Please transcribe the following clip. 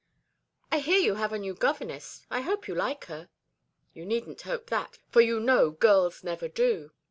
"I hear you have a new governess. I hope you like her?" "You needn't hope that, for you know girls never do.